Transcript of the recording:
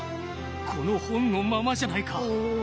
この本のままじゃないか！